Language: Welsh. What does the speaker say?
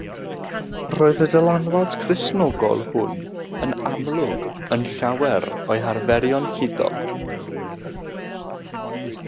Roedd y dylanwad Cristnogol hwn yn amlwg yn llawer o'u harferion hudol.